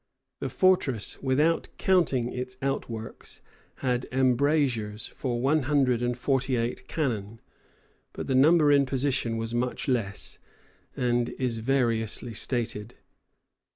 The fortress, without counting its outworks, had embrasures for one hundred and forty eight cannon; but the number in position was much less, and is variously stated.